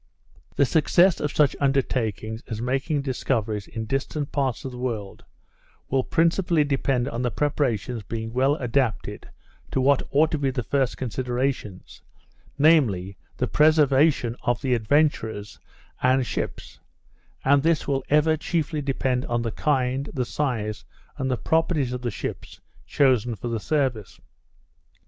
The success of such undertakings as making discoveries in distant parts of the world, will principally depend on the preparations being well adapted to what ought to be the first considerations, namely, the preservation of the adventurers and ships; and this will ever chiefly depend on the kind, the size, and the properties of the ships chosen for the service.